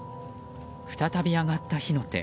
再び上がった火の手。